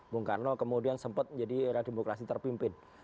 bung karno kemudian sempat menjadi era demokrasi terpimpin